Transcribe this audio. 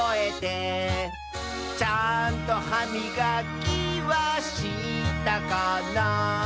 「ちゃんとはみがきはしたかな」